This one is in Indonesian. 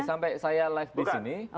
sampai saya live di sini